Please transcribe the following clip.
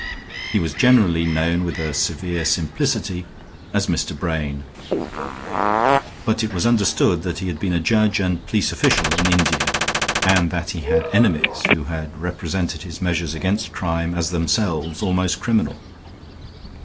He was generally known with a severe simplicity as Mr. Brain; but it was understood that he had been a judge and police official in India, and that he had enemies, who had represented his measures against crime as themselves almost criminal.